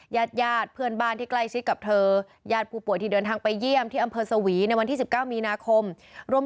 ญาติญาติเพื่อนบ้านที่ใกล้ชิดกับเธอญาติผู้ป่วยที่เดินทางไปเยี่ยมที่อำเภอสวีในวันที่๑๙มีนาคม